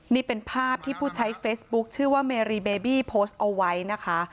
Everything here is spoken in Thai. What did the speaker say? นี่เป็นภาพที่ผู้ใช้เฟซบุ๊คชื่อว่าเมรีเบบี้โพสต์เอาไว้นะคะ